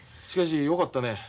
しかしよかったね。